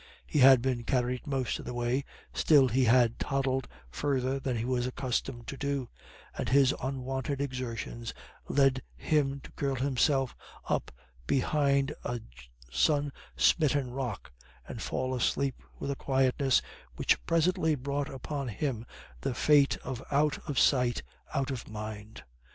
He had been carried most of the way, still he had toddled further than he was accustomed to do, and his unwonted exertions led him to curl himself up behind a sun smitten rock and fall asleep with a quietness which presently brought upon him the fate of out of sight out of mind.